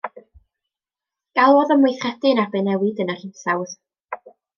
Galwodd am weithredu yn erbyn newid yn yr hinsawdd.